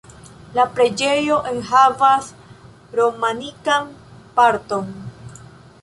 La preĝejo enhavas romanikan parton.